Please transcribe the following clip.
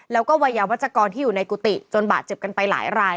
แล้วก็วัยยาวัชกรที่อยู่ในกุฏิจนบาดเจ็บกันไปหลายราย